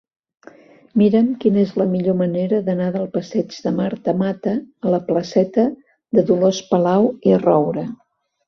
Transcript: Mira'm quina és la millor manera d'anar del passeig de Marta Mata a la placeta de Dolors Palau i Roura.